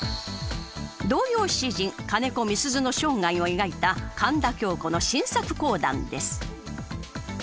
童謡詩人金子みすゞの生涯を描いた神田京子の新作講談です。